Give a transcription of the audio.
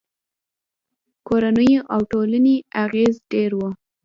کورنیو او ټولنې اغېز ډېر و.